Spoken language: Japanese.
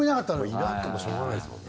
いないからしようがないですもんね。